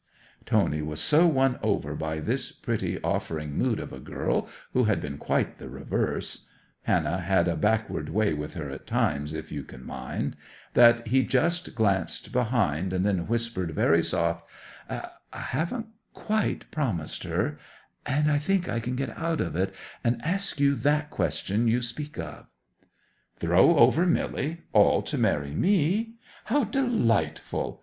'Tony was so won over by this pretty offering mood of a girl who had been quite the reverse (Hannah had a backward way with her at times, if you can mind) that he just glanced behind, and then whispered very soft, "I haven't quite promised her, and I think I can get out of it, and ask you that question you speak of." '"Throw over Milly?—all to marry me! How delightful!"